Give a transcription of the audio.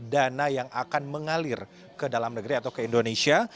dan ada yang akan mengalir ke dalam negeri atau ke indonesia